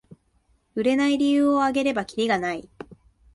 売れない理由をあげればキリがない